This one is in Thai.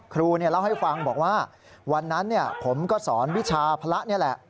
ครูเล่าให้ฟังบอกว่าวันนั้นผมก็สอนวิชาพระนี่แหละ